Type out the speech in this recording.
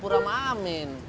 lalu kontaknya sampeh